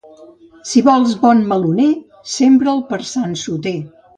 Si vols tenir bon meloner, sembra'l per Sant Soter.